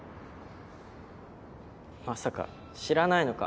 まさか知らないのか？